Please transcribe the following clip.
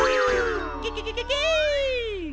ケケケケケ！